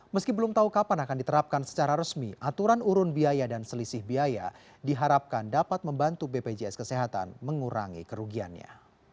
meski belum tahu kapan akan diterapkan secara resmi aturan urun biaya dan selisih biaya diharapkan dapat membantu bpjs kesehatan mengurangi kerugiannya